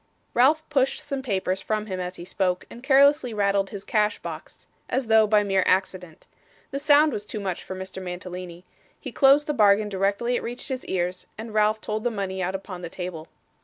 Ralph pushed some papers from him as he spoke, and carelessly rattled his cash box, as though by mere accident. The sound was too much for Mr Mantalini. He closed the bargain directly it reached his ears, and Ralph told the money out upon the table.